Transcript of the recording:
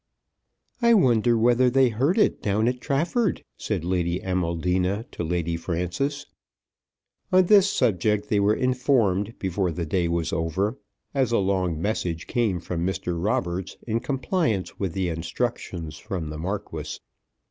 "I wonder whether they heard it down at Trafford," said Lady Amaldina to Lady Frances. On this subject they were informed before the day was over, as a long message came from Mr. Roberts in compliance with the instructions from the Marquis.